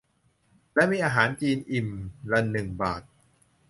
และมีอาหารจีนอิ่มละหนึ่งบาท